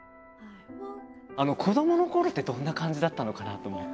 子どものころってどんな感じだったのかなと思って。